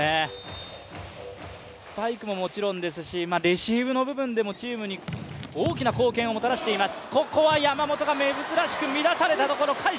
スパイクももちろんですしレシーブの部分でもチームに大きな貢献をもたらしています。